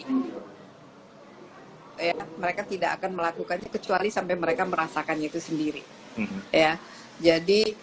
hai ey adanya mereka tidak akan melakukan kecuali sampai mereka merasakannya itu sendiri ya jadi